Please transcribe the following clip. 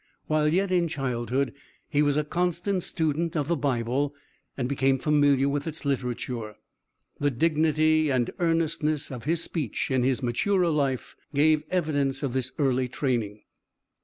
While yet in childhood he was a constant student of the Bible, and became familiar with its literature. The dignity and earnestness of his speech in his maturer life gave evidence of this early training.